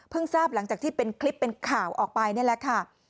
ทราบหลังจากที่เป็นคลิปเป็นข่าวออกไปนี่แหละค่ะ